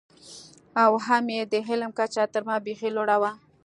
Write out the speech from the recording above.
او هم یې د علم کچه تر ما بېخي لوړه وه.